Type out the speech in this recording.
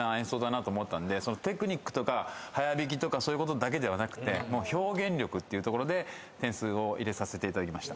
テクニックとか早弾きとかそういうことだけではなくて表現力っていうところで点数を入れさせていただきました。